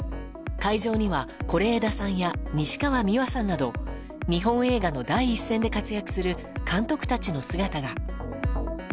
会場には是枝さんや西川美和さんなど日本映画の第一線で活躍する監督たちの姿が。